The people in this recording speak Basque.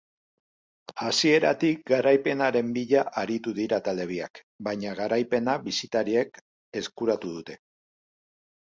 Hasieratik garaipenaren bila aritu dira talde biak, baina garaipena bisitariek eskuratu dute.